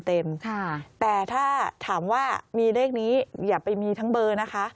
แต่ถ้าถามว่ามีเลขนี้อย่าไปมีทั้งเบอร์นะคะ